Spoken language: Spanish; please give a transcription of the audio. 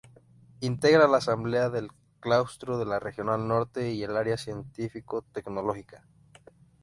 Integra la Asamblea del Claustro de la Regional Norte y el área científico tecnológica.